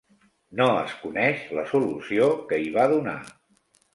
No es coneix la solució que hi va donar.